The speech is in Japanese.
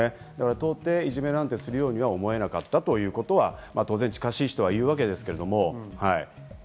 到底いじめなんかするようには見えなかったと近しい人は言うわけですけれども。